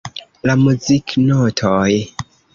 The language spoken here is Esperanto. La muziknotoj.